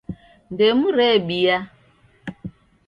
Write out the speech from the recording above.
Ndemu rebia.